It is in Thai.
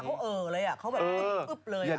น้ำตาเขาเอ่อเลยอะเขาแบบอึ๊บเลยอะ